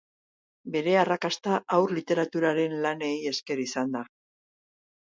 Bere arrakasta haur literaturaren lanei esker izan da.